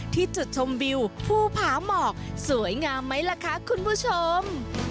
ที่จุดชมวิวภูผาหมอกสวยงามไหมล่ะคะคุณผู้ชม